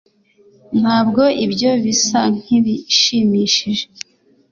ntabwo ibyo bisa nkibishimishije